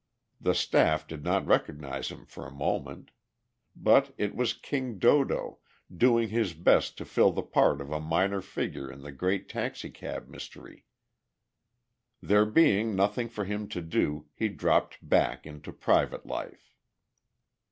The staff did not recognize him for a moment. But it was "King Dodo," doing his best to fill the part of a minor figure in the great taxicab mystery. There being nothing for him to do, he dropped back into private life.